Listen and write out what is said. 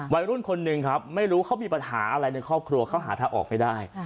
วัยรุ่นคนหนึ่งครับไม่รู้เขามีปัญหาอะไรในครอบครัวเขาหาทางออกไม่ได้